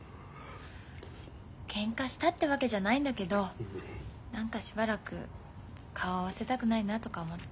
けんかしたってわけじゃないんだけど何かしばらく顔合わせたくないなとか思って。